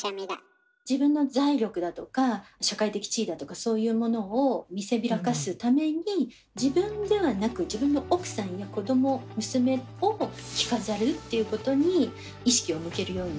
自分の財力だとか社会的地位だとかそういうものを見せびらかすために自分ではなく自分の奥さんや子ども娘を着飾るっていうことに意識を向けるようになっていくんですね。